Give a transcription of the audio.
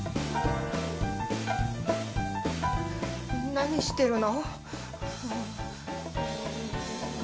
何してるの？